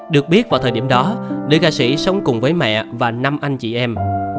được biết vào thời điểm đó nữ ca sĩ sống cùng với mẹ và năm anh chị em